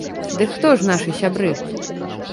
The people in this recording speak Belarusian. Дык хто ж нашы сябры?